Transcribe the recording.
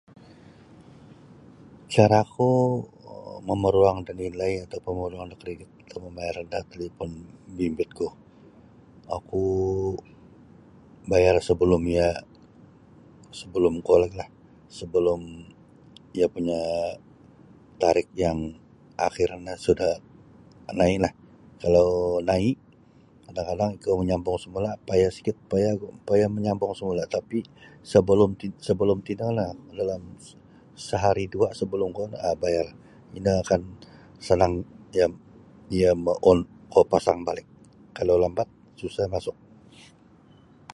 Cara ku mamaruang da nilai ataupun mamaruang da kredit atau mamayar da talipun bimbitku oku bayar sebelum ia sebelum kuo lagi lah sebelum iyo punyatarikh yang akhir no suda nai' lah kalau nai' kadang-kadang ikau manyambung samula payah sikit payah gu payah manyambung samula tapi sabalum ti-tinolah sabalum sehari dua hari sabalum kuo um bayar um ino akan sanang iyo mangon pasang balik kalau lambat susah masuk.